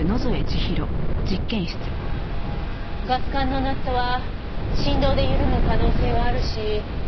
ガス管のナットは振動で緩む可能性はあるし